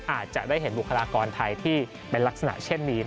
อาจจะได้เห็นบุคลากรไทยที่เป็นลักษณะเช่นนี้